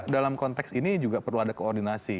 dalam konteks ini juga perlu ada koordinasi